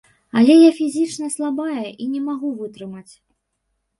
Але я фізічна слабая і не магу вытрымаць.